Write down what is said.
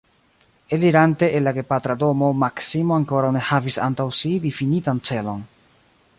Elirante el la gepatra domo, Maksimo ankoraŭ ne havis antaŭ si difinitan celon.